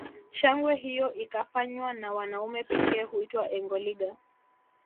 Shangwe hiyo ikifanywa na wanaume pekee huitwa engoliga